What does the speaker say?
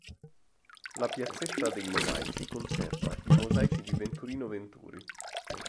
La "Piazzetta dei mosaici" conserva i mosaici di Venturino Venturi.